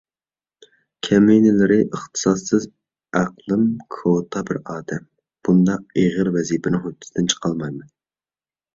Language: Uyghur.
كەمىنىلىرى، ئىختىساسسىز، ئەقلىم كوتا بىر ئادەم، بۇنداق ئېغىر ۋەزىپىنىڭ ھۆددىسىدىن چىقالمايمەن.